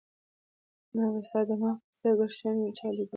نه به ستا د مخ په څېر ګلش وي چا ليدلى